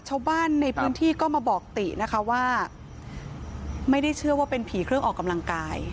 ชาวบ้านในพื้นที่ก็มาบอกตินะคะว่าไม่ได้เชื่อว่าเป็นผีเครื่องออกกำลังกาย